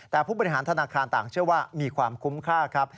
แต่ผู้บริหารธนาคารต่างเชื่อว่ามีความคุ้มค่าครับ